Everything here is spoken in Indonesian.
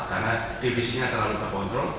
karena divisinya terlalu terkontrol